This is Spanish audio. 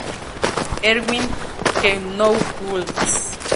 Erwin Quednow-Külz.